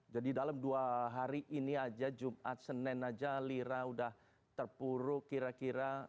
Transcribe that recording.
jadi dalam dua hari ini aja jumat senin aja lira udah terpuruk kira kira